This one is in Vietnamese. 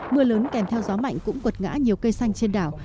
mưa lớn kèm theo gió mạnh cũng quật ngã nhiều cây xanh trên đảo